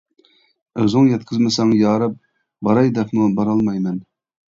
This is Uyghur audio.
ئۈزۈڭ يەتكۈزمىسەڭ يا رەب باراي دەپمۇ بارالمايمەن.